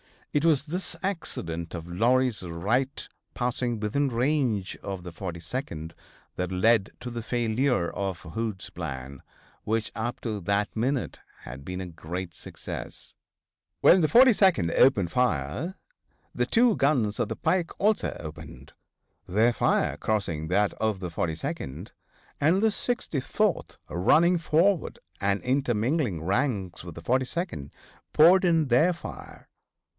It was this accident of Lowrey's right passing within range of the 42d that led to the failure of Hood's plan, which, up to that minute, had been a great success. When the 42d opened fire the two guns at the pike also opened, their fire crossing that of the 42d, and the 64th, running forward and intermingling ranks with the 42d, poured in their fire.